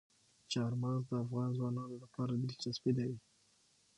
چار مغز د افغان ځوانانو لپاره دلچسپي لري.